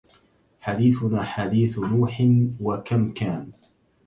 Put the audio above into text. حدثينا حديث نوح وكم كان